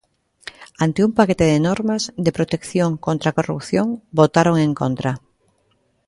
Ante un paquete de normas de protección contra a corrupción, votaron en contra.